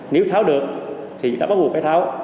nếu tháo được thì chúng ta bắt buộc phải tháo